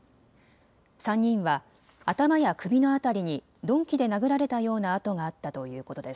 ３人は頭や首の辺りに鈍器で殴られたような痕があったということです。